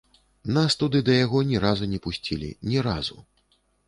Нас туды да яго ні разу не пусцілі, ні разу.